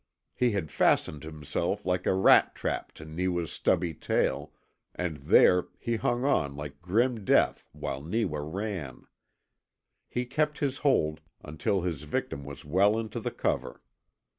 He had fastened himself like a rat trap to Neewa's stubby tail, and there he hung on like grim death while Neewa ran. He kept his hold until his victim was well into the cover.